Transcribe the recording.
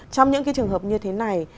trong những cái trường hợp như thế này